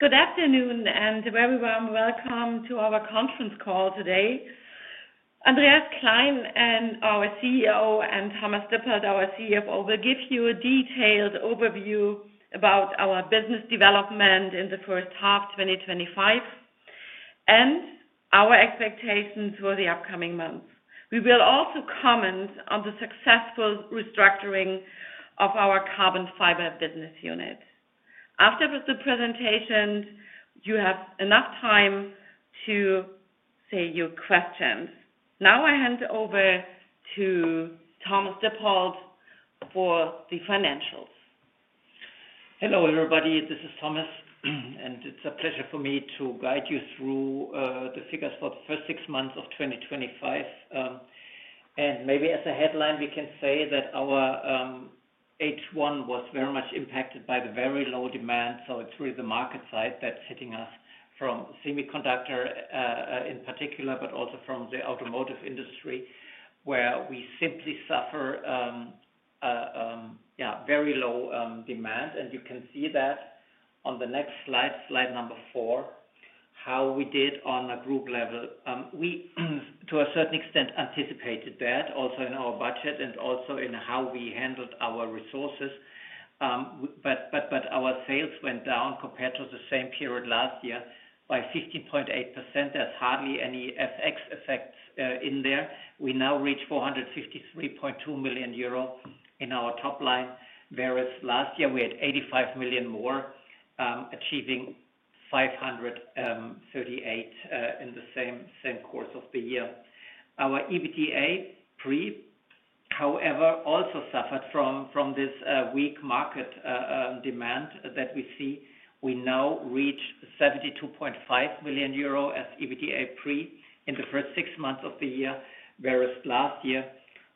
Good afternoon and very warm welcome to our conference call today. Andreas Klein, our CEO, and Thomas Dippold, our CFO, will give you a detailed overview about our business development in the first half of 2025 and our expectations for the upcoming months. We will also comment on the successful restructuring of our Carbon Fiber business unit. After the presentation, you have enough time to say your questions. Now I hand over to Thomas Dippold for the financials. Hello everybody, this is Thomas, and it's a pleasure for me to guide you through the figures for the first six months of 2025. Maybe as a headline, we can say that our H1 was very much impacted by the very low demand. It's really the market side that's hitting us from semiconductor in particular, but also from the automotive industry where we simply suffer very low demand. You can see that on the next slide, slide number four, how we did on a group level. We, to a certain extent, anticipated that also in our budget and also in how we handled our resources. Our sales went down compared to the same period last year by 15.8%. That's hardly any effects in there. We now reach 453.2 million euro in our top line, whereas last year we had 85 million more, achieving 538 million in the same course of the year. Our EBITDA pre, however, also suffered from this weak market demand that we see. We now reach 72.5 million euro as EBITDA pre in the first six months of the year, whereas last year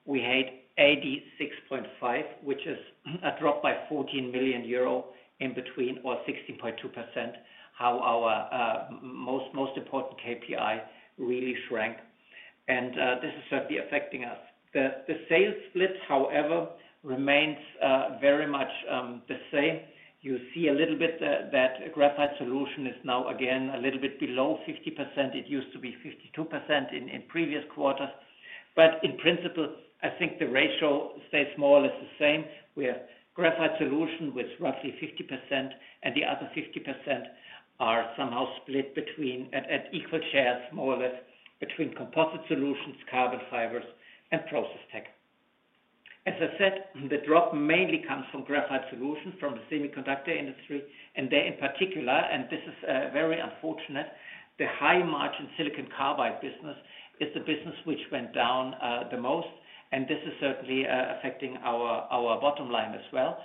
we had 86.5 million, which is a drop by 14 million euro in between or 16.2%. How our most important KPI really shrank, and this is certainly affecting us. The sales split, however, remains very much the same. You see a little bit that Graphite Solutions is now again a little bit below 50%. It used to be 52% in previous quarters. In principle, I think the ratio stays more or less the same. We have Graphite Solutions with roughly 50%, and the other 50% are somehow split between at equal shares more or less between Composite Solutions, Carbon Fibers, and Process Tech. As I said, the drop mainly comes from Graphite Solutions, from the semiconductor industry, and there in particular, and this is very unfortunate, the high margin Silicon Carbide business is the business which went down the most. This is certainly affecting our bottom line as well.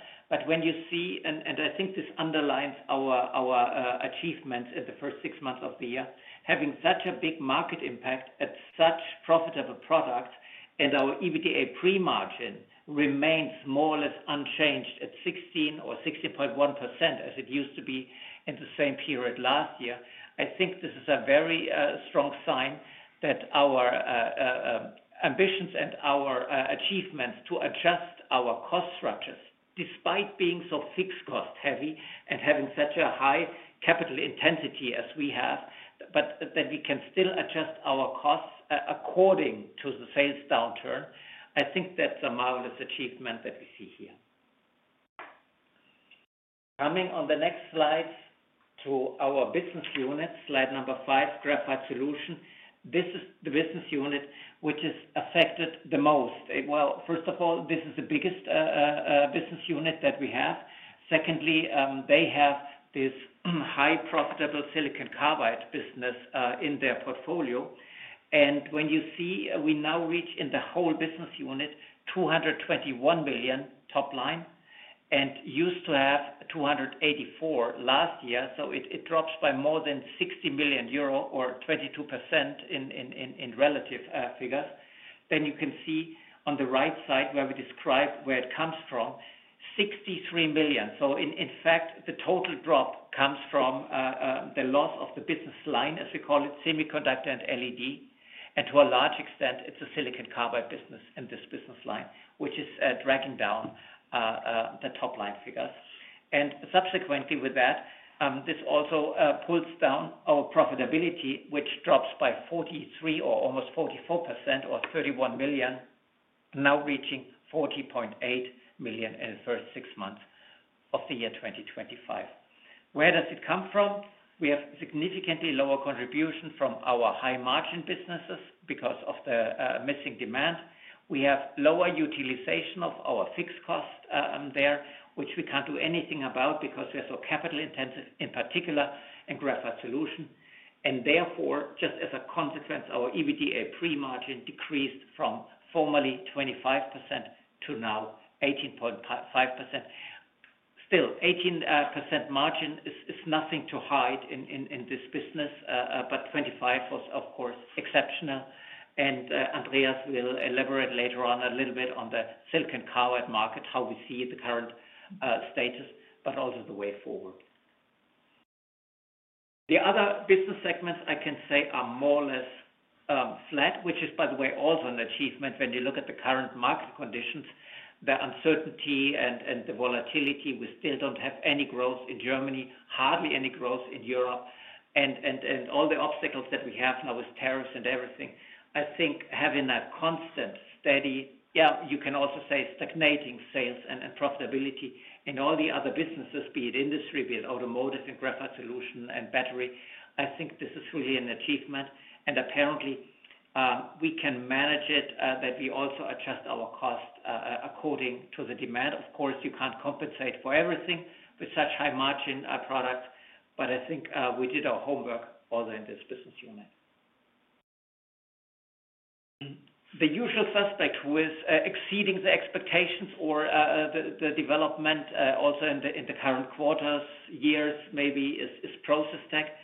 When you see, and I think this underlines our achievements in the first six months of the year, having such a big market impact at such profitable products, and our EBITDA pre-margin remains more or less unchanged at 16% or 16.1% as it used to be in the same period last year. I think this is a very strong sign that our ambitions and our achievements to adjust our cost structures, despite being so fixed cost heavy and having such a high capital intensity as we have, but that we can still adjust our costs according to the sales downturn. I think that's a marvelous achievement that we see here. Coming on the next slides to our business units, slide number five, Graphite Solutions. This is the business unit which is affected the most. First of all, this is the biggest business unit that we have. Secondly, they have this high profitable Silicon Carbide business in their portfolio. When you see, we now reach in the whole business unit 221 million top line and used to have 284 million last year. It drops by more than 60 million euro or 22% in relative figures. You can see on the right side where we describe where it comes from, 63 million. In fact, the total drop comes from the loss of the business line, as we call it, semiconductor and LED. To a large extent, it's a Silicon Carbide business in this business line, which is dragging down the top line figures. Subsequently with that, this also pulls down our profitability, which drops by 43% or almost 44% or 31 million, now reaching 40.8 million in the first six months of the year 2025. Where does it come from? We have significantly lower contribution from our high margin businesses because of the missing demand. We have lower utilization of our fixed cost there, which we can't do anything about because we are so capital intensive in particular in Graphite Solutions. Therefore, just as a consequence, our EBITDA pre-margin decreased from formerly 25% to now 18.5%. Still, 18% margin is nothing to hide in this business, but 25% was, of course, exceptional. Andreas will elaborate later on a little bit on the Silicon Carbide market, how we see the current status, but also the way forward. The other business segments I can say are more or less flat, which is, by the way, also an achievement when you look at the current market conditions, the uncertainty and the volatility. We still don't have any growth in Germany, hardly any growth in Europe, and all the obstacles that we have now with tariffs and everything. I think having a constant steady, yeah, you can also say stagnating sales and profitability in all the other businesses, be it industry, be it automotive and Graphite Solutions and battery, I think this is really an achievement. Apparently, we can manage it that we also adjust our cost according to the demand. Of course, you can't compensate for everything with such high margin products, but I think we did our homework all in this business unit. The usual suspect who is exceeding the expectations or the development also in the current quarters, years, maybe is Process Tech.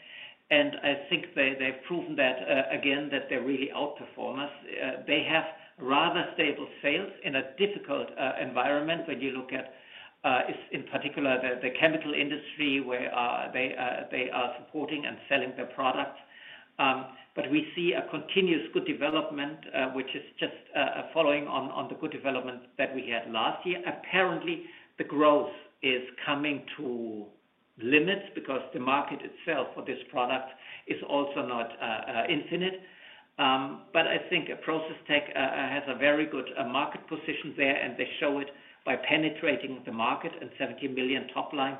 I think they've proven that again, that they're really outperformers. They have rather stable sales in a difficult environment when you look at, in particular, the chemical industry where they are supporting and selling their product. We see a continuous good development, which is just following on the good development that we had last year. Apparently, the growth is coming to limits because the market itself for this product is also not infinite. I think Process Technology has a very good market position there, and they show it by penetrating the market and 70 million top line.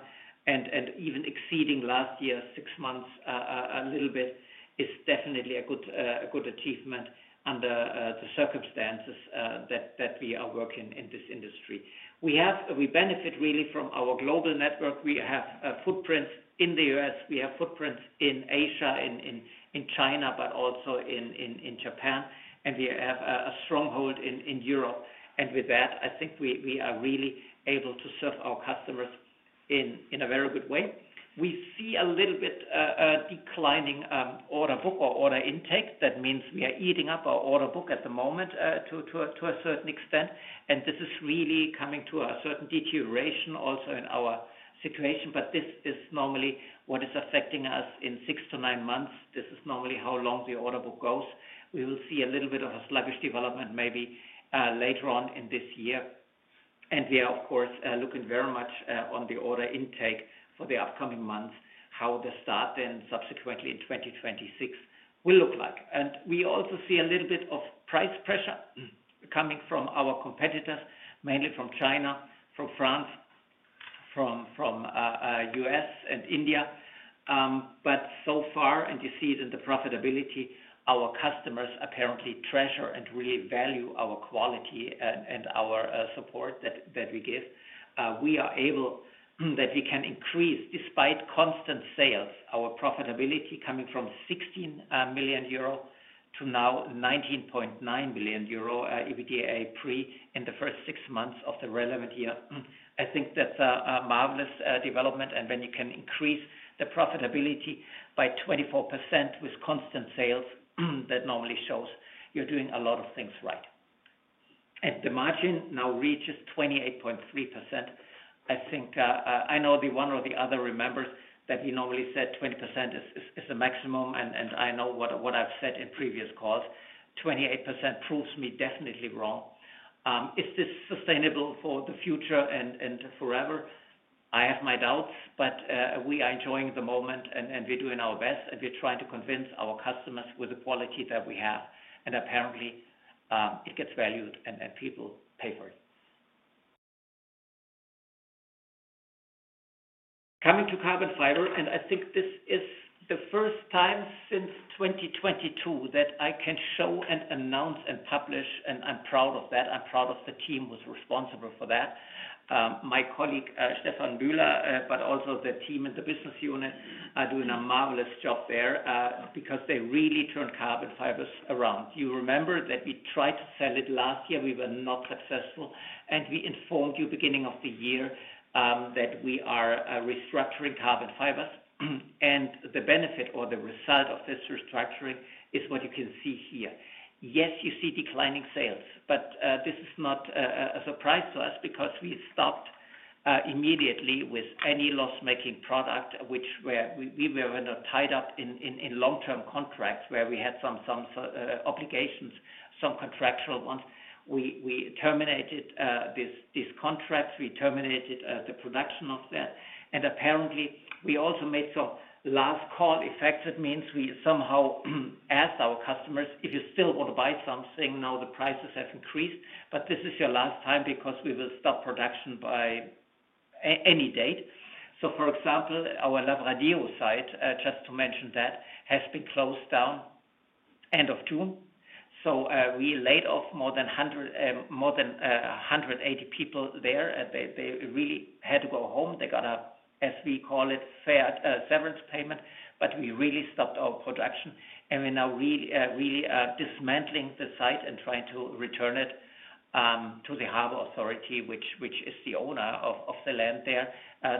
Even exceeding last year's six months a little bit is definitely a good achievement under the circumstances that we are working in this industry. We benefit really from our global network. We have footprints in the U.S. We have footprints in Asia, in China, but also in Japan. We are a stronghold in Europe. With that, I think we are really able to serve our customers in a very good way. We see a little bit declining order book or order intake. That means we are eating up our order book at the moment to a certain extent. This is really coming to a certain deterioration also in our situation. This is normally what is affecting us in six to nine months. This is normally how long the order book goes. We will see a little bit of a sluggish development maybe later on in this year. We are, of course, looking very much on the order intake for the upcoming months, how the start and subsequently in 2026 will look like. We also see a little bit of price pressure coming from our competitors, mainly from China, from France, from the U.S. and India. So far, and you see it in the profitability, our customers apparently treasure and really value our quality and our support that we give. We are able that we can increase despite constant sales, our profitability coming from 16 million euro to now 19.9 million euro EBITDA pre in the first six months of the relevant year. I think that's a marvelous development. When you can increase the profitability by 24% with constant sales, that normally shows you're doing a lot of things right. The margin now reaches 28.3%. I think I know the one or the other remembers that we normally said 20% is the maximum. I know what I've said in previous calls, 28% proves me definitely wrong. Is this sustainable for the future and forever? I have my doubts, but we are enjoying the moment and we're doing our best and we're trying to convince our customers with the quality that we have. Apparently, it gets valued and people pay for it. Coming to Carbon Fiber, I think this is the first time since 2022 that I can show and announce and publish, and I'm proud of that. I'm proud of the team who's responsible for that. My colleague Stefan Müller, but also the team in the business unit, are doing a marvelous job there because they really turn Carbon Fibers around. You remember that we tried to sell it last year. We were not successful. We informed you at the beginning of the year that we are restructuring Carbon Fibers. The benefit or the result of this restructuring is what you can see here. Yes, you see declining sales, but this is not a surprise to us because we stopped immediately with any loss-making product, which we were not tied up in long-term contracts where we had some obligations, some contractual ones. We terminated these contracts. We terminated the production of that. Apparently, we also made so last call effective means we somehow asked our customers, if you still want to buy something, now the prices have increased, but this is your last time because we will stop production by any date. For example, our Lavradio site, just to mention that, has been closed down end of June. We laid off more than 180 people there. They really had to go home. They got a, as we call it, severance payment, but we really stopped our production. We're now really dismantling the site and trying to return it to the harbor authority, which is the owner of the land there.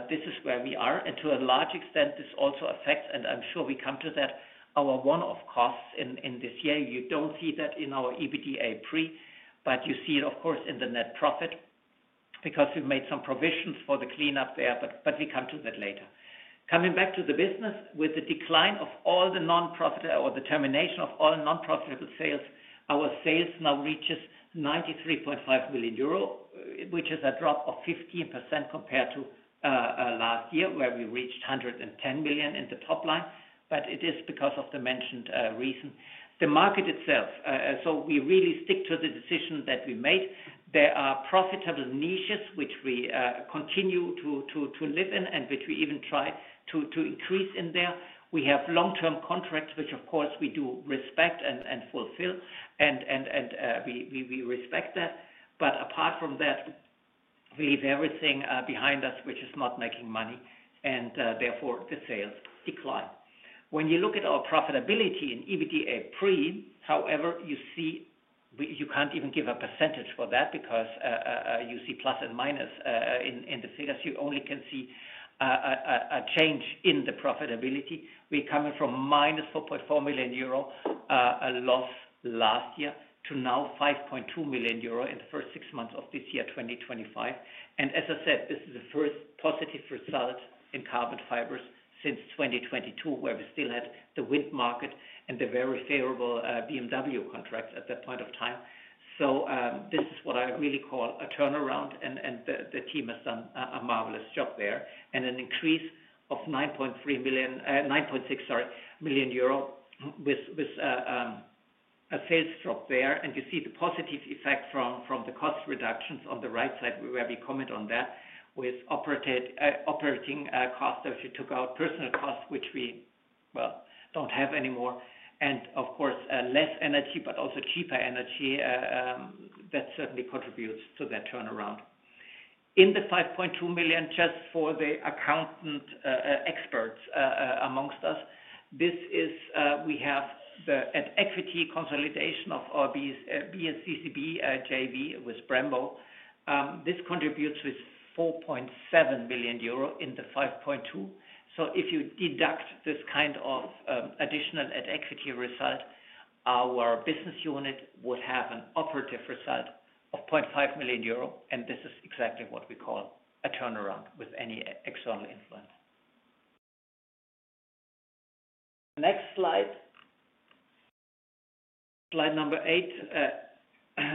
This is where we are. To a large extent, this also affects, and I'm sure we come to that, our one-off costs in this year. You don't see that in our EBITDA pre, but you see it, of course, in the net profit because we've made some provisions for the cleanup there, but we come to that later. Coming back to the business, with the decline of all the non-profit or the termination of all non-profitable sales, our sales now reach 93.5 million euro, which is a drop of 15% compared to last year where we reached 110 million in the top line. It is because of the mentioned reason. The market itself, we really stick to the decision that we made. There are profitable niches which we continue to live in and which we even try to increase in there. We have long-term contracts, which of course we do respect and fulfill, and we respect that. Apart from that, we leave everything behind us, which is not making money, and therefore the sales decline. When you look at our profitability in EBITDA pre, however, you see you can't even give a % for that because you see plus and minus in the figures. You only can see a change in the profitability. We're coming from -4.4 million euro loss last year to now 5.2 million euro in the first six months of this year 2025. As I said, this is the first positive result in Carbon Fibers since 2022, where we still had the wind market and the very favorable BMW contracts at that point of time. This is what I really call a turnaround, and the team has done a marvelous job there. An increase of 9.3 million, 9.6 million euro, sorry, million with a sales drop there. You see the positive effect from the cost reductions on the right side where we comment on that with operating costs that we took out, personnel costs, which we don't have anymore. Of course, less energy, but also cheaper energy that certainly contributes to that turnaround. In the 5.2 million, just for the accountant experts amongst us, we have the equity consolidation of our BSCCB JV with Brembo. This contributes with 4.7 million euro in the 5.2 million. If you deduct this kind of additional equity result, our business unit would have an operative result of 0.5 million euro. This is exactly what we call a turnaround with any external influence. Next slide, slide number eight.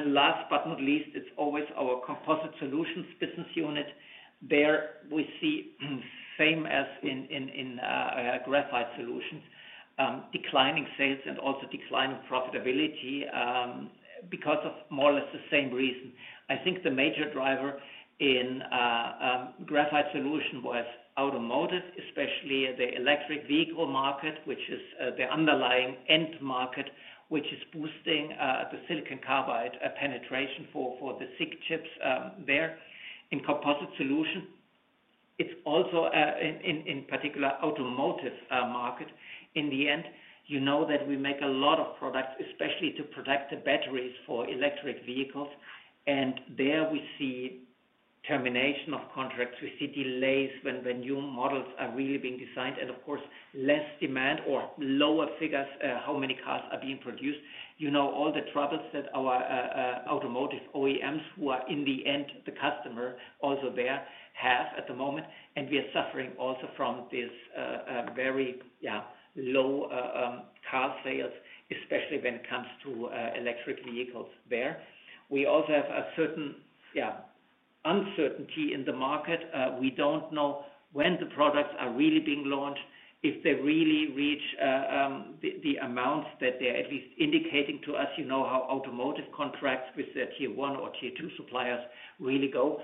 Last but not least, it's always our Composite Solutions business unit. There we see, same as in Graphite Solutions, declining sales and also declining profitability because of more or less the same reason. I think the major driver in Graphite Solutions was automotive, especially the electric vehicle market, which is the underlying end market, which is boosting the Silicon Carbide penetration for the SiC chips there. In Composite Solutions, it's also in particular the automotive market. In the end, you know that we make a lot of products, especially to protect the batteries for electric vehicles. There we see termination of contracts. We see delays when new models are really being designed. Of course, less demand or lower figures, how many cars are being produced. You know all the troubles that our automotive OEMs, who are in the end the customer also there, have at the moment. We are suffering also from this very low car sales, especially when it comes to electric vehicles there. We also have a certain uncertainty in the market. We don't know when the products are really being launched, if they really reach the amounts that they're at least indicating to us. You know how automotive contracts with their tier one or tier two suppliers really go.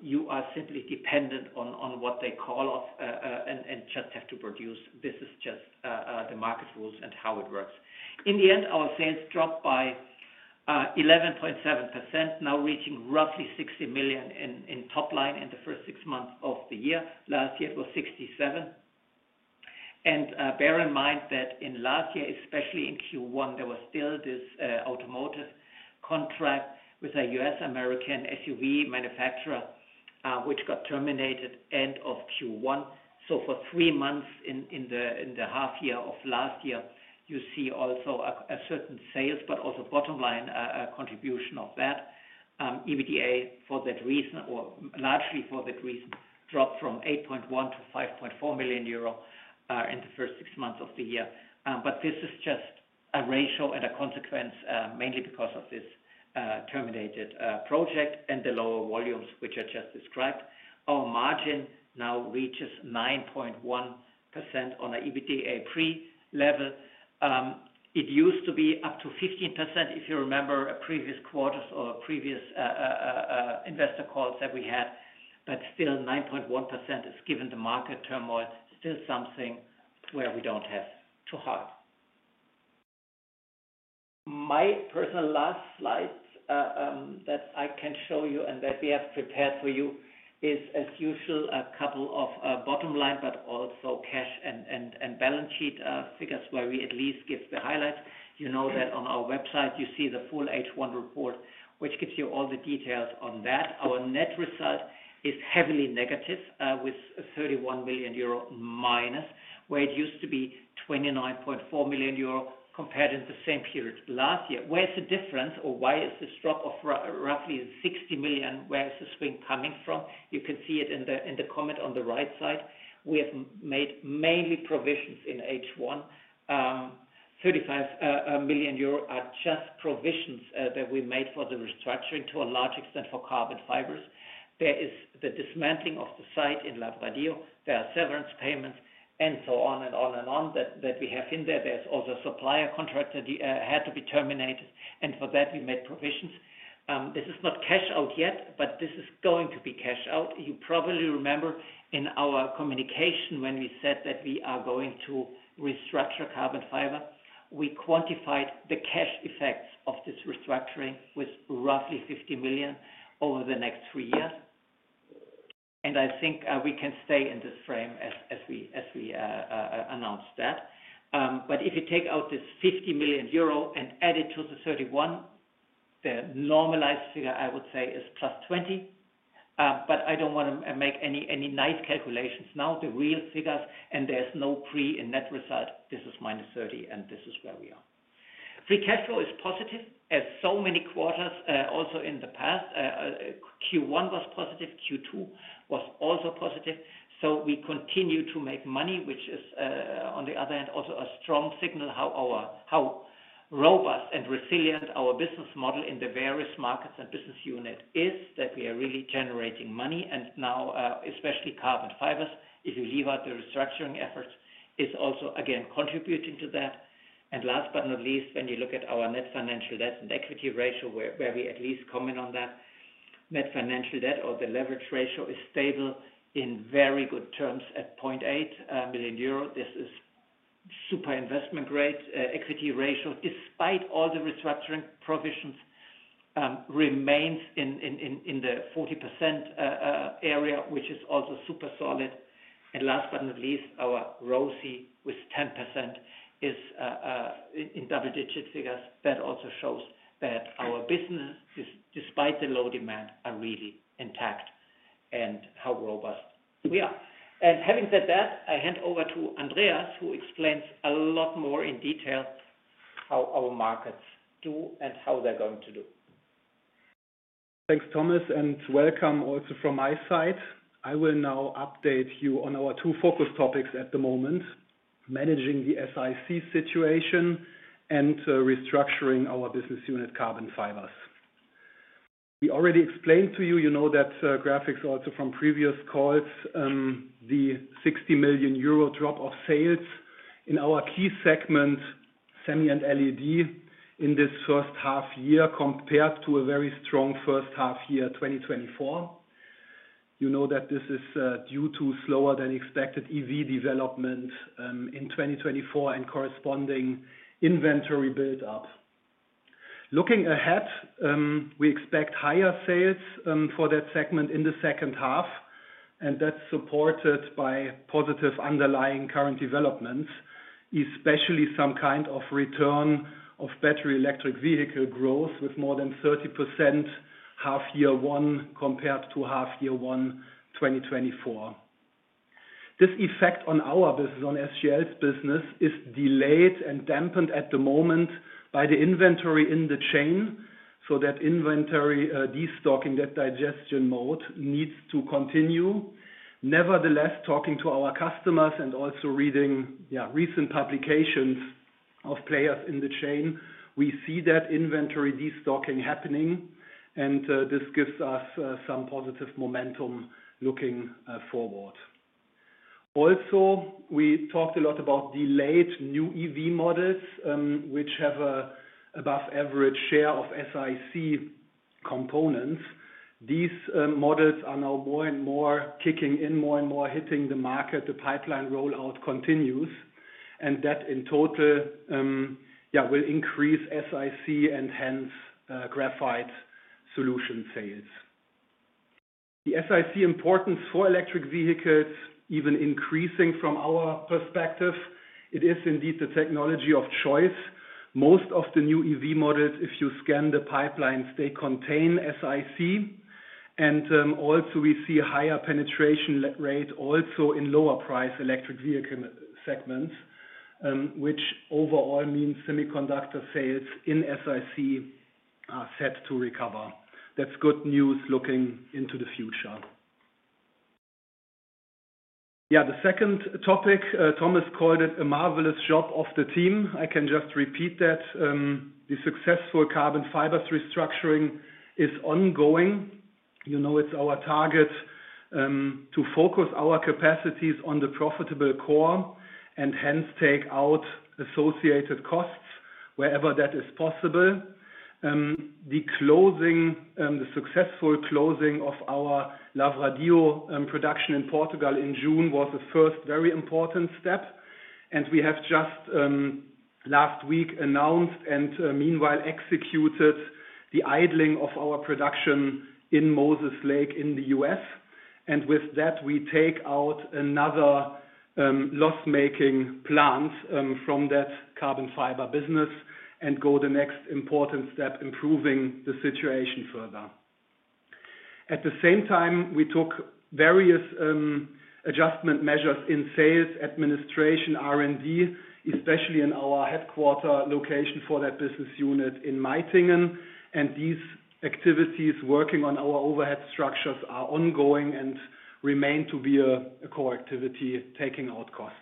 You are simply dependent on what they call off and just have to produce. This is just the market rules and how it works. In the end, our sales dropped by 11.7%, now reaching roughly 60 million in top line in the first six months of the year. Last year it was 67 million. Bear in mind that in last year, especially in Q1, there was still this automotive contract with a U.S. American SUV manufacturer, which got terminated end of Q1. For three months in the half year of last year, you see also a certain sales, but also bottom line contribution of that. EBITDA for that reason, or largely for that reason, dropped from 8.1 million-5.4 million euro in the first six months of the year. This is just a ratio and a consequence, mainly because of this terminated project and the lower volumes, which I just described. Our margin now reaches 9.1% on an EBITDA pre level. It used to be up to 15% if you remember previous quarters or previous investor calls that we had. Still, 9.1% is, given the market turmoil, still something where we don't have to hide. My personal last slide that I can show you and that we have prepared for you is, as usual, a couple of bottom line, but also cash and balance sheet figures where we at least give the highlights. You know that on our website, you see the full H1 report, which gives you all the details on that. Our net result is heavily negative with -31 million euro where it used to be -29.4 million euro compared in the same period last year. Where is the difference or why is this drop of roughly 60 million? Where is the swing coming from? You can see it in the comment on the right side. We have made mainly provisions in H1. 35 million euro are just provisions that we made for the restructuring to a large extent for Carbon Fibers. There is the dismantling of the site in Lavradio. There are severance payments and so on and on and on that we have in there. There is also a supplier contract that had to be terminated. For that, we made provisions. This is not cash out yet, but this is going to be cash out. You probably remember in our communication when we said that we are going to restructure Carbon Fiber, we quantified the cash effects of this restructuring with roughly 50 million over the next three years. I think we can stay in this frame as we announced that. If you take out this 50 million euro and add it to the 31 million, the normalized figure I would say is +20. I don't want to make any naive calculations now. The real figures, and there's no pre and net result, this is -30 and this is where we are. Free cash flow is positive as so many quarters also in the past. Q1 was positive, Q2 was also positive. We continue to make money, which is on the other hand also a strong signal how robust and resilient our business model in the various markets and business unit is that we are really generating money. Now, especially Carbon Fibers, if you leave out the restructuring efforts, is also again contributing to that. Last but not least, when you look at our net financial debt and equity ratio, where we at least comment on that, net financial debt or the leverage ratio is stable in very good terms at 0.8 million euro. This is a super investment grade equity ratio. Despite all the restructuring provisions, it remains in the 40% area, which is also super solid. Last but not least, our ROCE with 10% is in double digit figures. That also shows that our businesses, despite the low demand, are really intact and how robust we are. Having said that, I hand over to Andreas, who explains a lot more in detail how our markets do and how they're going to do. Thanks, Thomas, and welcome also from my side. I will now update you on our two focus topics at the moment, managing the SiC situation and restructuring our business unit Carbon Fibers. We already explained to you, you know that graphics also from previous calls, the 60 million euro drop of sales in our key segment, semi and LED, in this first half year compared to a very strong first half year, 2024. You know that this is due to slower than expected EV development in 2024 and corresponding inventory buildup. Looking ahead, we expect higher sales for that segment in the second half. That's supported by positive underlying current developments, especially some kind of return of battery electric vehicle growth with more than 30% half year one compared to half year one 2024. This effect on our business, on SGL's business, is delayed and dampened at the moment by the inventory in the chain. That inventory destocking, that digestion mode needs to continue. Nevertheless, talking to our customers and also reading recent publications of players in the chain, we see that inventory destocking happening. This gives us some positive momentum looking forward. Also, we talked a lot about delayed new EV models, which have an above-average share of SiC components. These models are now more and more kicking in, more and more hitting the market. The pipeline rollout continues. That in total, yeah, will increase SiC and hence Graphite Solutions sales. The SiC importance for electric vehicles is even increasing from our perspective. It is indeed the technology of choice. Most of the new EV models, if you scan the pipelines, they contain SiC. Also, we see a higher penetration rate also in lower price electric vehicle segments, which overall means semiconductor sales in SiC are set to recover. That's good news looking into the future. The second topic, Thomas called it a marvelous job of the team. I can just repeat that. The successful Carbon Fibers restructuring is ongoing. You know it's our target to focus our capacities on the profitable core and hence take out associated costs wherever that is possible. The closing, the successful closing of our Lavradio production in Portugal in June was the first very important step. We have just last week announced and meanwhile executed the idling of our production in Moses Lake in the U.S. With that, we take out another loss-making plant from that Carbon Fiber business and go the next important step, improving the situation further. At the same time, we took various adjustment measures in sales administration, R&D, especially in our headquarter location for that business unit in Meitingen. These activities working on our overhead structures are ongoing and remain to be a core activity taking out costs.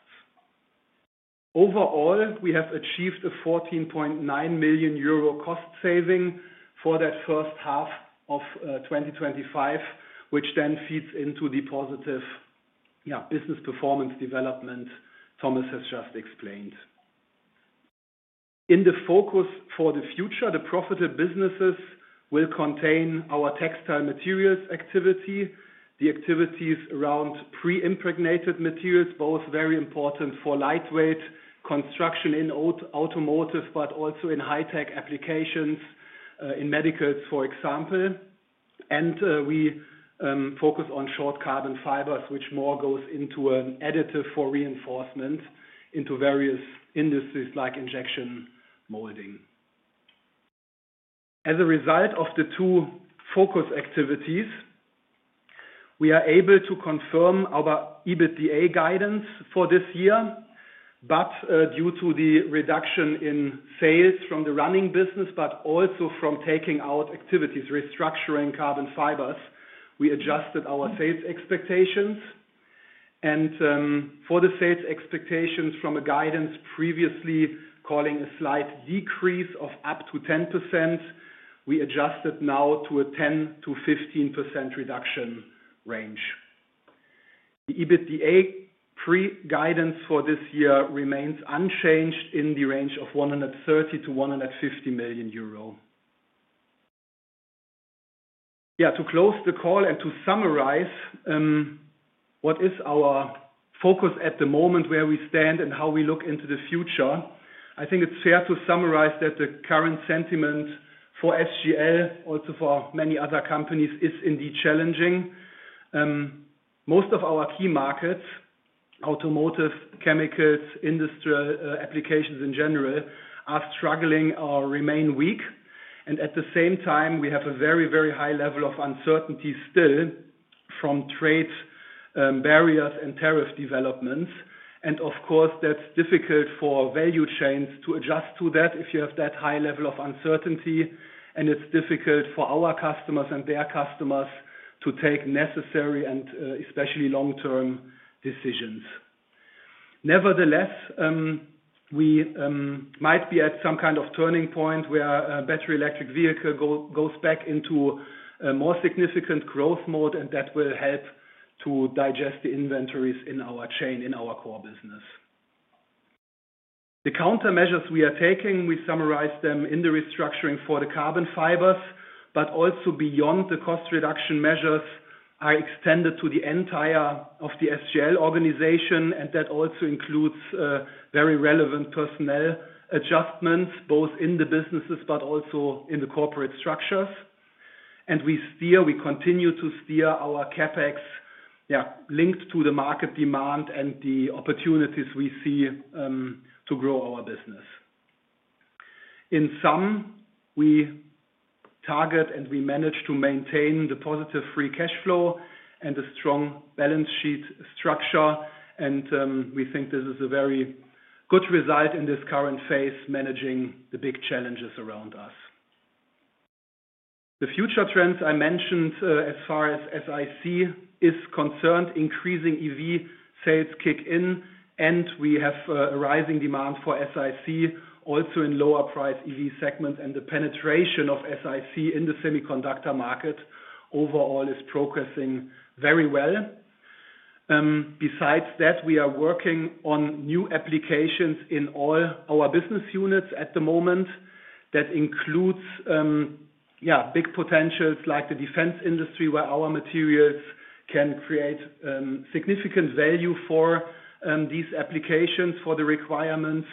Overall, we have achieved a 14.9 million euro cost saving for that first half of 2025, which then feeds into the positive, yeah, business performance development Thomas has just explained. In the focus for the future, the profitable businesses will contain our textile materials activity, the activities around pre-impregnated materials, both very important for lightweight construction in automotive, but also in high-tech applications, in medicals, for example. We focus on short Carbon Fibers, which more goes into an additive for reinforcement into various industries like injection molding. As a result of the two focus activities, we are able to confirm our EBITDA pre-guidance for this year. Due to the reduction in sales from the running business, but also from taking out activities, restructuring Carbon Fibers, we adjusted our sales expectations. For the sales expectations from a guidance previously calling a slight decrease of up to 10%, we adjusted now to a 10%-15% reduction range. The EBITDA pre-guidance for this year remains unchanged in the range of 130 million-150 million euro. To close the call and to summarize what is our focus at the moment, where we stand and how we look into the future, I think it's fair to summarize that the current sentiment for SGL, also for many other companies, is indeed challenging. Most of our key markets, automotive, chemicals, industrial applications in general, are struggling or remain weak. At the same time, we have a very, very high level of uncertainty still from trade barriers and tariff developments. Of course, that's difficult for value chains to adjust to that if you have that high level of uncertainty. It's difficult for our customers and their customers to take necessary and especially long-term decisions. Nevertheless, we might be at some kind of turning point where a battery electric vehicle goes back into a more significant growth mode, and that will help to digest the inventories in our chain, in our core business. The countermeasures we are taking, we summarize them in the restructuring for the Carbon Fibers, but also beyond, the cost reduction measures are extended to the entire SGL organization. That also includes very relevant personnel adjustments, both in the businesses and in the corporate structures. We steer, we continue to steer our CapEx, linked to the market demand and the opportunities we see to grow our business. In sum, we target and we manage to maintain the positive free cash flow and a strong balance sheet structure. We think this is a very good result in this current phase, managing the big challenges around us. The future trends I mentioned as far as Silicon Carbide is concerned, increasing EV sales kick in, and we have a rising demand for Silicon Carbide also in lower price EV segments. The penetration of Silicon Carbide in the semiconductor market overall is progressing very well. Besides that, we are working on new applications in all our business units at the moment. That includes big potentials like the defense industry where our materials can create significant value for these applications for the requirements.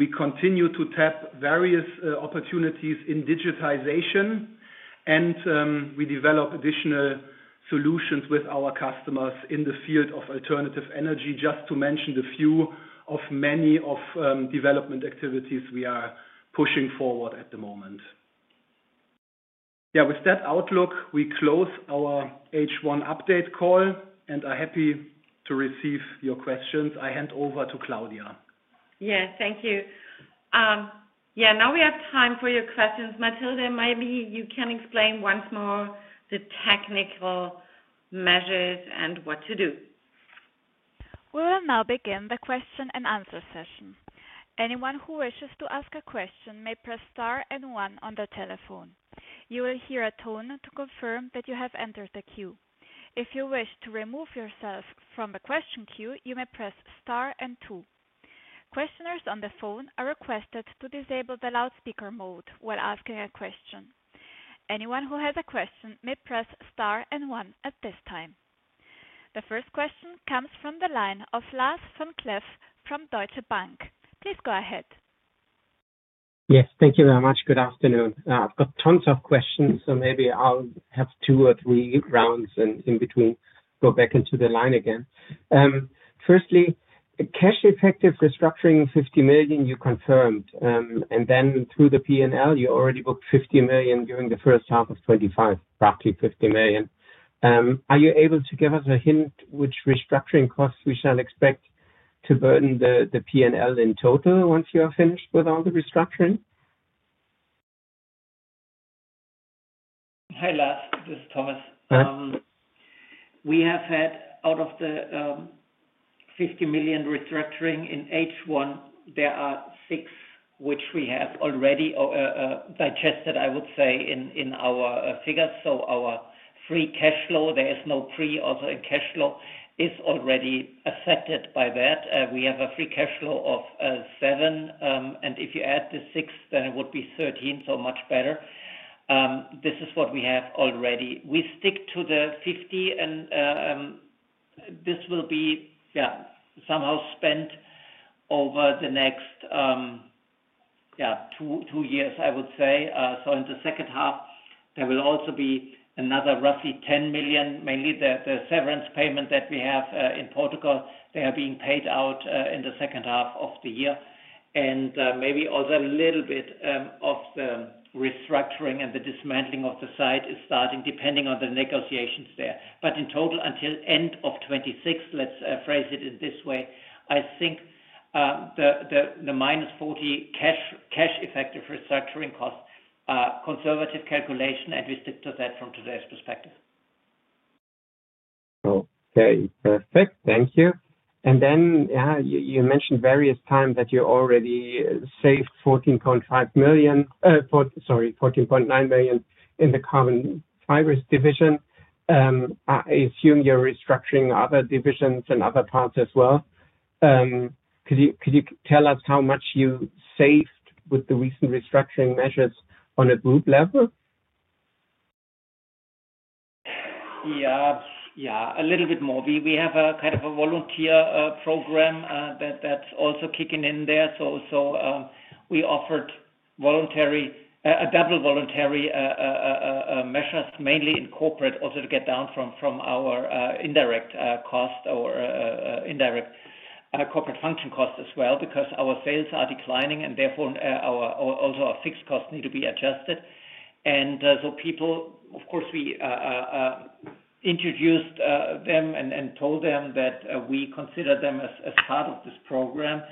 We continue to tap various opportunities in digitization, and we develop additional solutions with our customers in the field of alternative energy, just to mention a few of many development activities we are pushing forward at the moment. With that outlook, we close our H1 update call and are happy to receive your questions. I hand over to Claudia. Yes, thank you. Now we have time for your questions. [Matilde], maybe you can explain once more the technical measures and what to do. We will now begin the question and answer session. Anyone who wishes to ask a question may press star and one on the telephone. You will hear a tone to confirm that you have entered the queue. If you wish to remove yourself from the question queue, you may press star and two. Questioners on the phone are requested to disable the loudspeaker mode while asking a question. Anyone who has a question may press star and one at this time. The first question comes from the line of Lars Vom Cleff from Deutsche Bank. Please go ahead. Yes, thank you very much. Good afternoon. Tons of questions, so maybe I'll have two or three rounds and in between go back into the line again. Firstly, cash effective restructuring 50 million you confirmed, and then through the P&L you already booked 50 million during the first half of 2025, roughly 50 million. Are you able to give us a hint which restructuring costs we shall expect to burden the P&L in total once you are finished with all the restructuring? Hi Lars, this is Thomas. We have had out of the 50 million restructuring in H1, there are 6 million which we have already digested, I would say, in our figures. Our free cash flow, there is no pre, also cash flow is already affected by that. We have a free cash flow of 7 million, and if you add the 6 million, then it would be 13 million, so much better. This is what we have already. We stick to the 50 million, and this will be, yeah, somehow spent over the next, yeah, two years, I would say. In the second half, there will also be another roughly 10 million, mainly the severance payment that we have in Portugal. They are being paid out in the second half of the year. Maybe also a little bit of the restructuring and the dismantling of the site is starting depending on the negotiations there. In total, until end of 2026, let's phrase it in this way. I think the -40 million cash effective restructuring costs are conservative calculation, and we stick to that from today's perspective. Okay, perfect. Thank you. You mentioned various times that you already saved 14.9 million in the Carbon Fibers division. I assume you're restructuring other divisions and other parts as well. Could you tell us how much you saved with the recent restructuring measures on a group level? Yeah, a little bit more. We have a kind of a volunteer program that's also kicking in there. We offered a double voluntary measure, mainly in corporate, also to get down from our indirect cost or indirect corporate function costs as well, because our sales are declining and therefore also our fixed costs need to be adjusted. People, of course, we introduced them and told them that we consider them as part of this program,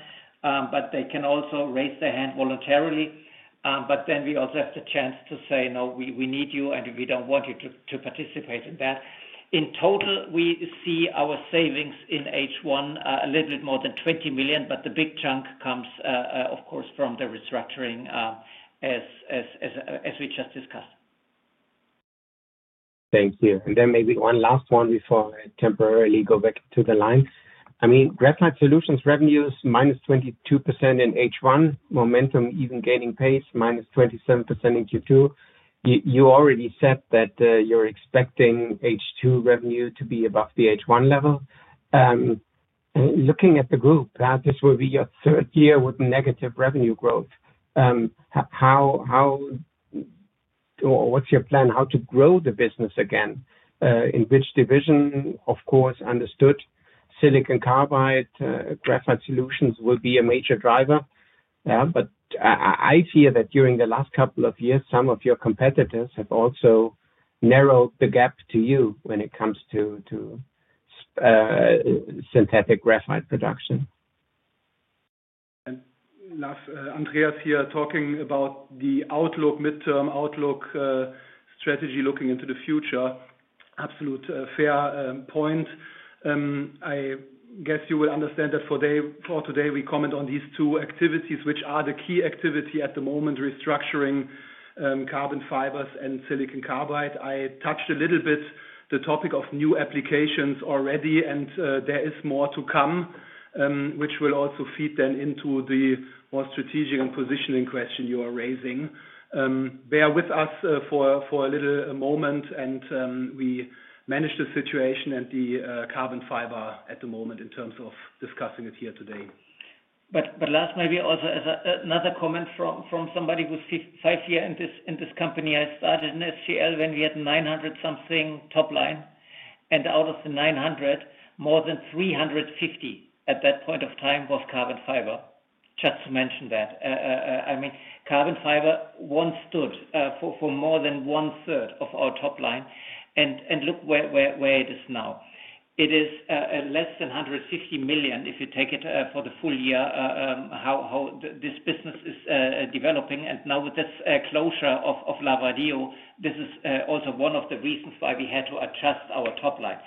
but they can also raise their hand voluntarily. We also have the chance to say, no, we need you and we don't want you to participate in that. In total, we see our savings in H1 a little bit more than 20 million, but the big chunk comes, of course, from the restructuring as we just discussed. Thank you. Maybe one last one before I temporarily go back to the line. I mean, Graphite Solutions revenues -22% in H1, momentum even gaining pace -27% in Q2. You already said that you're expecting H2 revenue to be above the H1 level. Looking at the group, this will be your third year with negative revenue growth. How or what's your plan? How to grow the business again? In which division, of course, understood Silicon Carbide, Graphite Solutions will be a major driver. I hear that during the last couple of years, some of your competitors have also narrowed the gap to you when it comes to synthetic graphite production. Lastly, Andreas here talking about the midterm outlook strategy looking into the future. Absolute fair point. I guess you will understand that for today, we comment on these two activities, which are the key activity at the moment, restructuring Carbon Fibers and Silicon Carbide. I touched a little bit the topic of new applications already, and there is more to come, which will also feed then into the more strategic and positioning question you are raising. Bear with us for a little moment, and we manage the situation and the Carbon Fiber at the moment in terms of discussing it here today. Last, maybe also as another comment from somebody who sits five years in this company. I started in SGL when we had 900 million something top line. Out of the 900 million, more than 350 million at that point of time was Carbon Fiber, just to mention that. I mean, Carbon Fiber once stood for more than one third of our top line. Look where it is now. It is less than 150 million if you take it for the full year, how this business is developing. Now with this closure of Lavradio, this is also one of the reasons why we had to adjust our top line.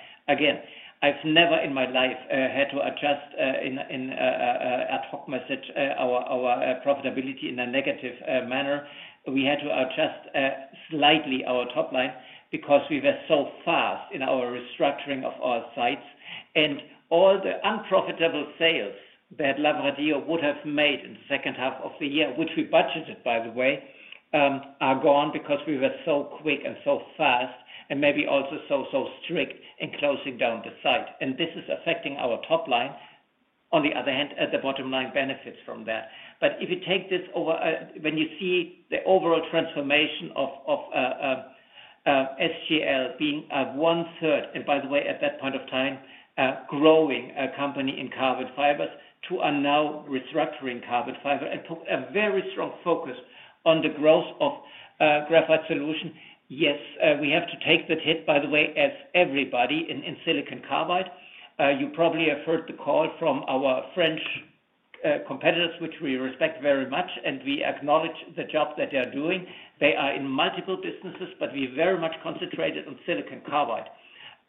I've never in my life had to adjust in an ad hoc message our profitability in a negative manner. We had to adjust slightly our top line because we were so fast in our restructuring of our sites. All the unprofitable sales that Lavradio would have made in the second half of the year, which we budgeted, by the way, are gone because we were so quick and so fast and maybe also so, so strict in closing down the site. This is affecting our top line. On the other hand, the bottom line benefits from there. If you take this over, when you see the overall transformation of SGL being one third, and by the way, at that point of time, a growing company in Carbon Fibers, to now restructuring Carbon Fiber and took a very strong focus on the growth of Graphite Solutions. Yes, we have to take that hit, by the way, as everybody in Silicon Carbide. You probably have heard the call from our French competitors, which we respect very much, and we acknowledge the job that they're doing. They are in multiple businesses, but we very much concentrate on Silicon Carbide.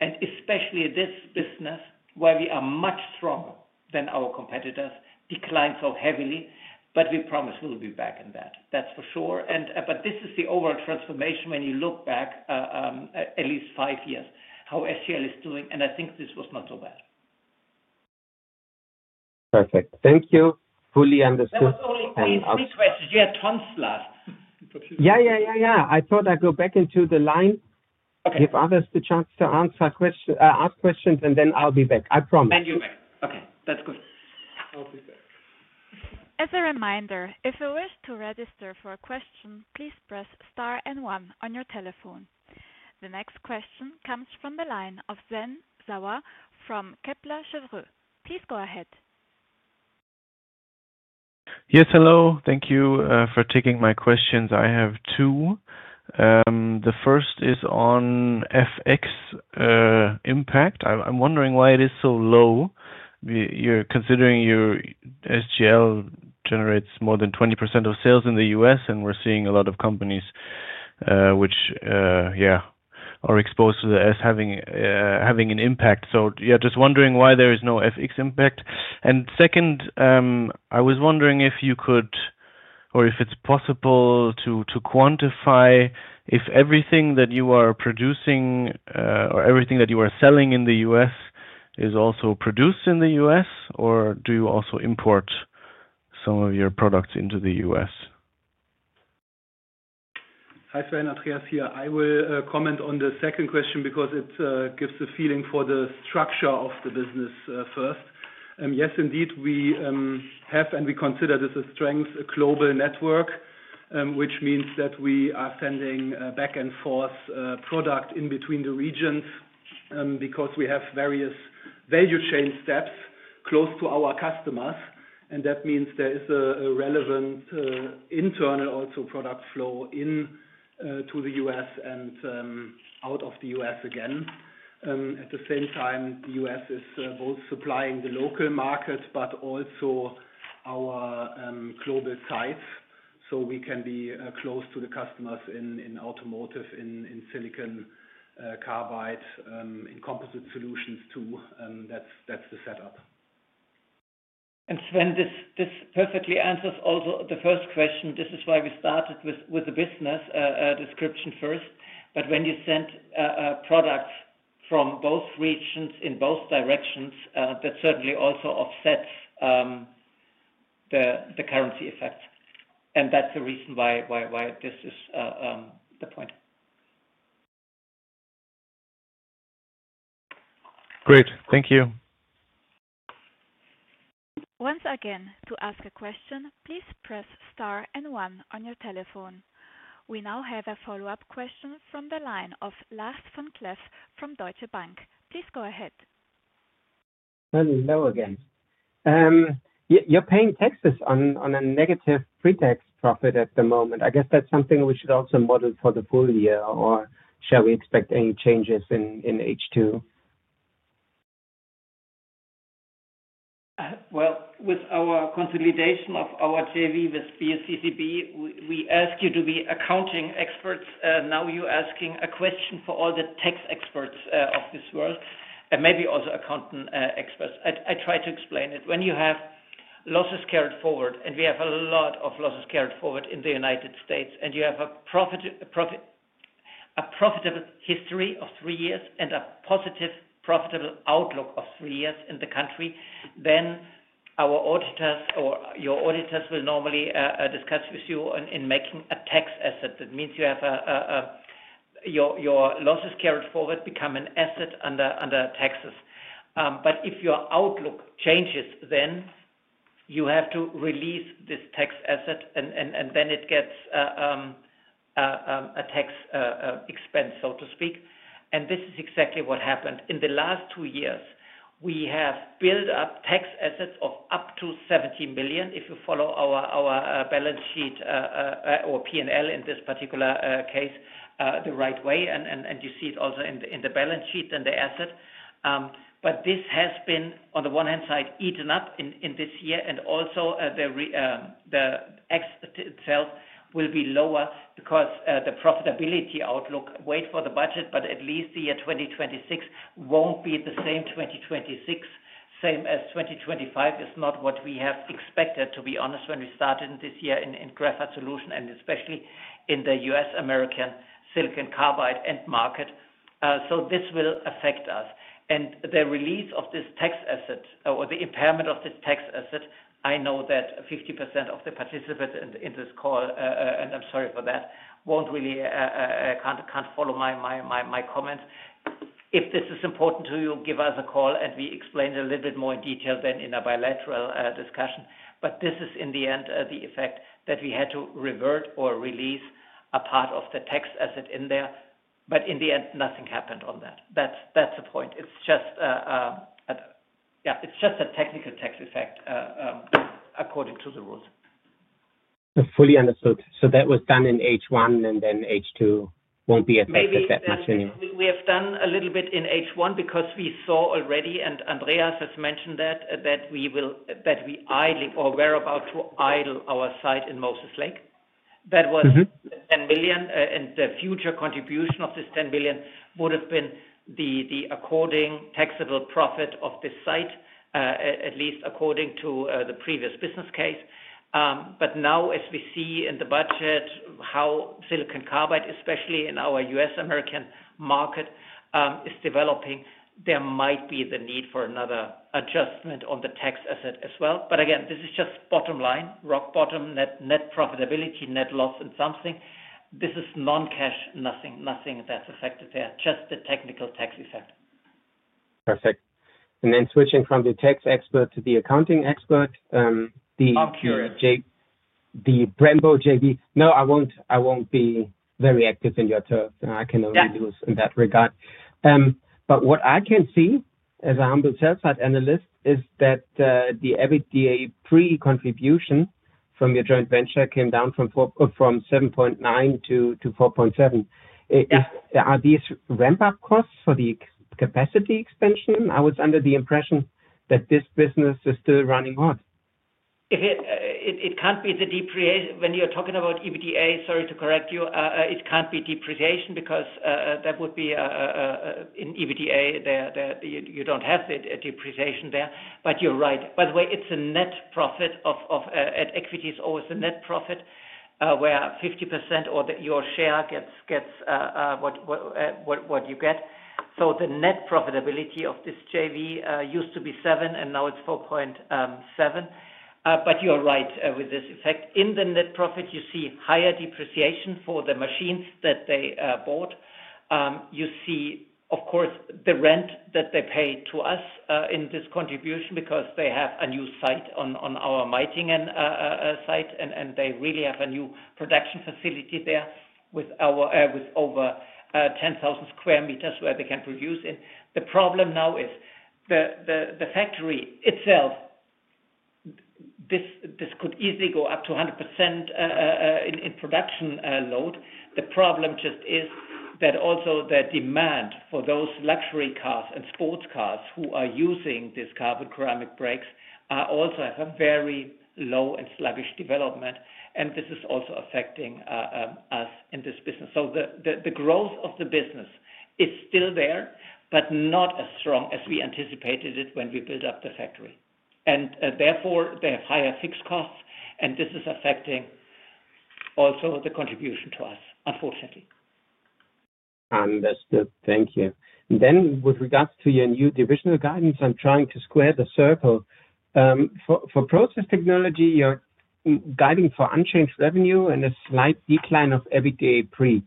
Especially in this business, where we are much stronger than our competitors, declined so heavily, but we promise we'll be back in that. That's for sure. This is the overall transformation when you look back at least five years, how SGL is doing, and I think this was not so bad. Perfect. Thank you. Fully understood. Only three questions. You had tons last. I thought I'd go back into the line. Okay. Give others the chance to answer questions, ask questions, and then I'll be back. I promise. You back. Okay, that's good. I'll be back. As a reminder, if you wish to register for a question, please press star and one on your telephone. The next question comes from the line of Sven Sauer from Kepler Cheuvreux. Please go ahead. Yes, hello. Thank you for taking my questions. I have two. The first is on FX impact. I'm wondering why it is so low. You're considering your SGL generates more than 20% of sales in the U.S., and we're seeing a lot of companies, which are exposed to the U.S. having an impact. Just wondering why there is no FX impact. Second, I was wondering if you could, or if it's possible to quantify if everything that you are producing or everything that you are selling in the U.S. is also produced in the U.S., or do you also import some of your products into the U.S.? Hi Sven, Andreas here. I will comment on the second question because it gives a feeling for the structure of the business first. Yes, indeed, we have, and we consider this a strength, a global network, which means that we are sending back and forth product in between the regions because we have various value chain steps close to our customers. That means there is a relevant internal also product flow into the U.S. and out of the U.S. again. At the same time, the U.S. is both supplying the local market, but also our global sites. We can be close to the customers in automotive, in Silicon Carbide, in Composite Solutions too. That's the setup. Sven, this perfectly answers also the first question. This is why we started with the business description first. When you send products from both regions in both directions, that certainly also offsets the currency effect. That's the reason why this is the point. Great. Thank you. Once again, to ask a question, please press star and one on your telephone. We now have a follow-up question from the line of Lars Vom Cleff from Deutsche Bank. Please go ahead. Let me know again. You're paying taxes on a negative pre-tax profit at the moment. I guess that's something we should also model for the full year, or shall we expect any changes in H2? With our consolidation of our JV with BSCCB, we ask you to be accounting experts. Now you're asking a question for all the tax experts of this world, and maybe also accountant experts. I try to explain it. When you have losses carried forward, and we have a lot of losses carried forward in the United States, and you have a profitable history of three years and a positive profitable outlook of three years in the country, then our auditors or your auditors will normally discuss with you in making a tax asset. That means you have your losses carried forward become an asset under taxes. If your outlook changes, then you have to release this tax asset, and then it gets a tax expense, so to speak. This is exactly what happened. In the last two years, we have built up tax assets of up to 70 million if you follow our balance sheet or P&L in this particular case the right way. You see it also in the balance sheet and the asset. This has been, on the one hand side, eaten up in this year, and also the exit sales will be lower because the profitability outlook waits for the budget, but at least the year 2026 won't be the same 2026, same as 2025 is not what we have expected, to be honest, when we started in this year in Graphite Solutions and especially in the U.S. American Silicon Carbide end market. This will affect us. The release of this tax asset or the impairment of this tax asset, I know that 50% of the participants in this call, and I'm sorry for that, won't really can't follow my comments. If this is important to you, give us a call and we explain a little bit more in detail than in a bilateral discussion. This is in the end the effect that we had to revert or release a part of the tax asset in there. In the end, nothing happened on that. That's the point. It's just, yeah, it's just a technical tax effect according to the rules. Fully understood. That was done in H1, and H2 won't be affected that much anymore. We have done a little bit in H1 because we saw already, and Andreas has mentioned that, that we will, that we are idling or we're about to idle our site in Moses Lake. That was 10 million, and the future contribution of this 10 million would have been the according taxable profit of this site, at least according to the previous business case. Now, as we see in the budget, how Silicon Carbide, especially in our U.S. American market, is developing, there might be the need for another adjustment on the tax asset as well. Again, this is just bottom line, rock bottom, net profitability, net loss and something. This is non-cash, nothing, nothing that's affected there. Just the technical tax effect. Perfect. Switching from the tax expert to the accounting expert, the Brembo JV. I won't be very active in your talk. I can only lose in that regard. What I can see as a humble sales side analyst is that the EBITDA pre-contribution from your joint venture came down from 7.9 million-4.7 million. Are these ramp-up costs for the capacity expansion? I was under the impression that this business is still running on. It can't be the depreciation. When you're talking about EBITDA, sorry to correct you, it can't be depreciation because that would be in EBITDA. You don't have the depreciation there. You're right. By the way, it's a net profit of equities. Always a net profit where 50% or your share gets what you get. The net profitability of this JV used to be 7 million and now it's 4.7 million. You're right with this effect. In the net profit, you see higher depreciation for the machines that they bought. You see, of course, the rent that they pay to us in this contribution because they have a new site on our Meitingen site, and they really have a new production facility there with over 10,000 sq m where they can produce. The problem now is the factory itself. This could easily go up to 100% in production load. The problem just is that also the demand for those luxury cars and sports cars who are using these carbon ceramic brakes are also at a very low and sluggish development. This is also affecting us in this business. The growth of the business is still there, but not as strong as we anticipated it when we built up the factory. Therefore, they have higher fixed costs, and this is affecting also the contribution to us, unfortunately. Understood. Thank you. With regards to your new divisional guidance, I'm trying to square the circle. For Process Technology, you're guiding for unchanged revenue and a slight decline of EBITDA pre.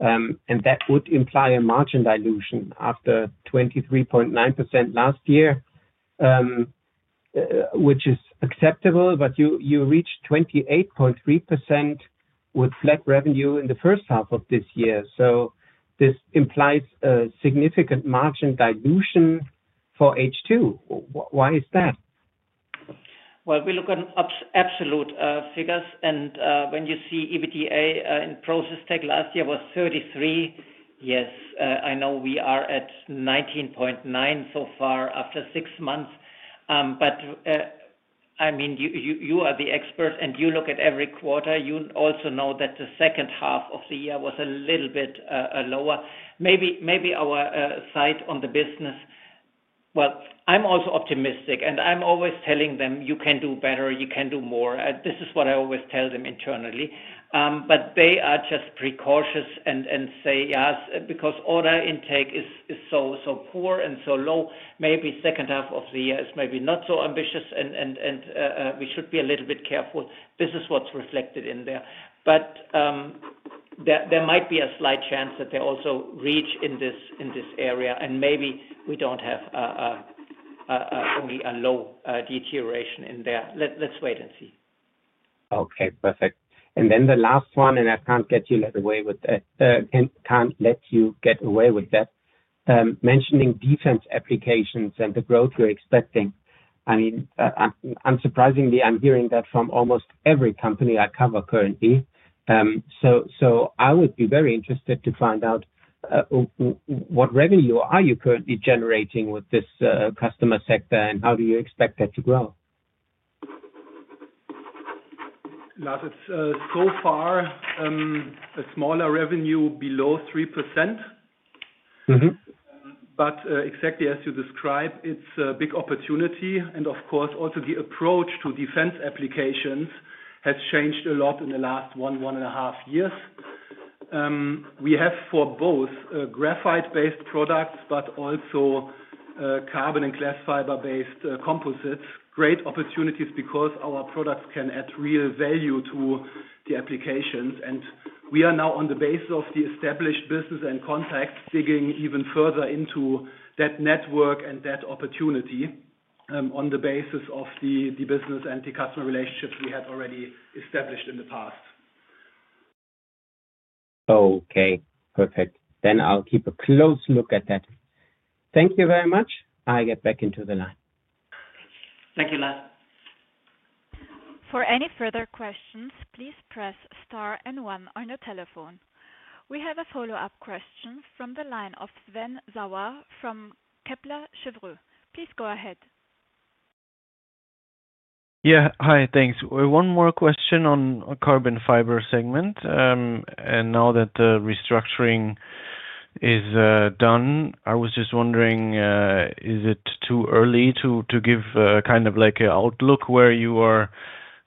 That would imply a margin dilution after 23.9% last year, which is acceptable, but you reached 28.3% with flat revenue in the first half of this year. This implies a significant margin dilution for H2. Why is that? We look at absolute figures, and when you see EBITDA in Process Technology last year was 23 million. Yes, I know we are at 19.9 million so far after six months. I mean, you are the expert and you look at every quarter. You also know that the second half of the year was a little bit lower. Maybe our sight on the business. I'm also optimistic, and I'm always telling them, you can do better, you can do more. This is what I always tell them internally. They are just precautious and say, yes, because order intake is so poor and so low, maybe the second half of the year is maybe not so ambitious, and we should be a little bit careful. This is what's reflected in there. There might be a slight chance that they also reach in this area, and maybe we don't have only a low deterioration in there. Let's wait and see. Okay, perfect. The last one, I can't let you get away with that, mentioning defense applications and the growth you're expecting. Unsurprisingly, I'm hearing that from almost every company I cover currently. I would be very interested to find out what revenue are you currently generating with this customer sector, and how do you expect that to grow? Lars, it's so far a smaller revenue below 3%. Exactly as you describe, it's a big opportunity. Of course, also the approach to defense applications has changed a lot in the last one, one and a half years. We have for both graphite-based products, but also carbon and glass fiber-based composites, great opportunities because our products can add real value to the applications. We are now, on the basis of the established business and contacts, digging even further into that network and that opportunity on the basis of the business and the customer relationships we had already established in the past. Okay, perfect. I'll keep a close look at that. Thank you very much. I'll get back into the line. Thank you, Lars. For any further questions, please press star and one on your telephone. We have a follow-up question from the line of Sven Sauer from Kepler Cheuvreux. Please go ahead. Yeah, hi, thanks. One more question on a Carbon Fibers segment. Now that the restructuring is done, I was just wondering, is it too early to give a kind of like an outlook where you are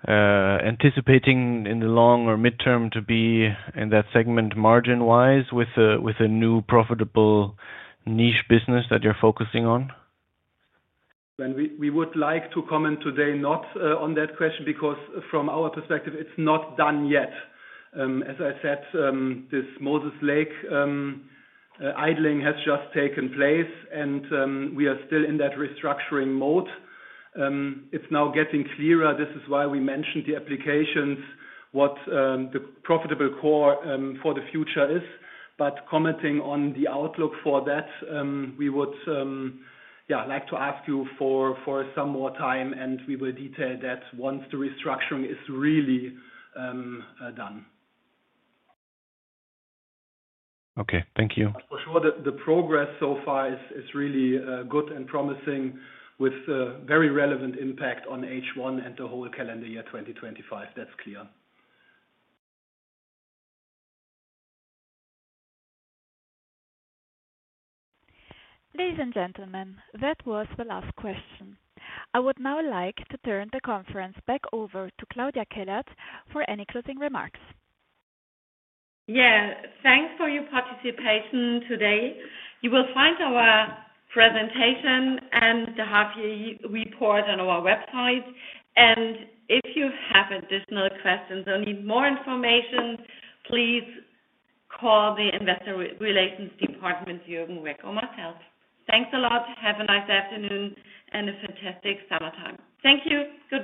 anticipating in the long or midterm to be in that segment margin-wise with a new profitable niche business that you're focusing on? Sven, we would like to comment today not on that question because from our perspective, it's not done yet. As I said, this Moses Lake idling has just taken place, and we are still in that restructuring mode. It's now getting clearer. This is why we mentioned the applications, what the profitable core for the future is. We would like to ask you for some more time, and we will detail that once the restructuring is really done. Okay, thank you. For sure, the progress so far is really good and promising, with a very relevant impact on H1 and the whole calendar year 2025. That's clear. Ladies and gentlemen, that was the last question. I would now like to turn the conference back over to Claudia Kellert for any closing remarks. Yeah, thanks for your participation today. You will find our presentation and the half-year report on our website. If you have additional questions or need more information, please call the Investor Relations Department, Juergen Reck or myself. Thanks a lot. Have a nice afternoon and a fantastic summertime. Thank you. Goodbye.